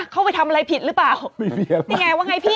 เขาตกใจจริงข้อเขียนว่าเหรอ